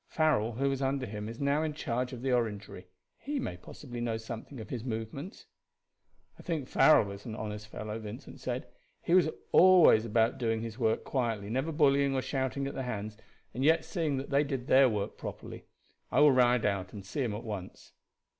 Farrell, who was under him, is now in charge of the Orangery. He may possibly know something of his movements." "I think Farrell is an honest fellow," Vincent said "He was always about doing his work quietly never bullying or shouting at the hands, and yet seeing that they did their work properly. I will ride out and see him at once."